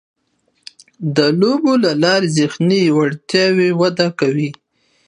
د لوبو له لارې ذهني وړتیاوې وده کوي.